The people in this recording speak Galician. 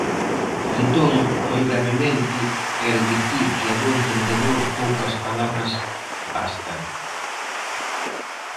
Entón, moi brevemente, quero dicir que a bo entendedor poucas palabras bastan.